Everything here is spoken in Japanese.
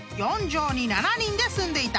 ４畳に７人で住んでいた］